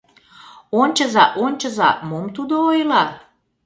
Ончыза, ончыза, мом тудо ойла?